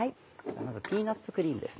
まずピーナッツクリームです。